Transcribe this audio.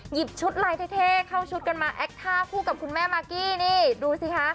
หยิบชุดลายเท่เข้าชุดกันมาแอคท่าคู่กับคุณแม่มากกี้นี่ดูสิคะ